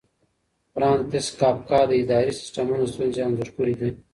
فرانتس کافکا د اداري سیسټمونو ستونزې انځور کړې دي.